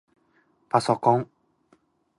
ぱそこん